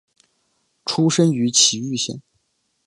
出身于崎玉县。